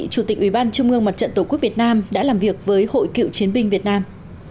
chủ tịch ủy ban trung ương mặt trận tổ quốc việt nam đã làm việc với hội cựu chiến binh việt nam